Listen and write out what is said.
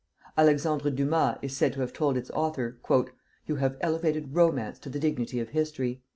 Alexandre Dumas is said to have told its author: "You have elevated romance to the dignity of history."